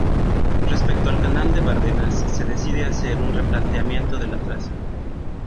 Respecto al canal de Bardenas se decide hacer un replanteamiento de la traza.